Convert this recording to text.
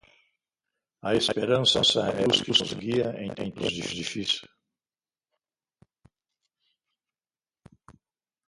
A esperança é a luz que nos guia em tempos difíceis.